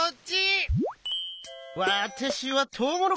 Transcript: わたしはトウモロコシ。